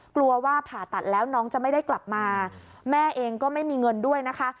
กลัวว่าผ่าตัดแล้วน้องจะไม่ได้กลับมาแม่เองก็ไม่มีเงินด้วยนะคะ